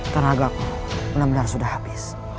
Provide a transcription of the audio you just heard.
tenagaku benar benar sudah habis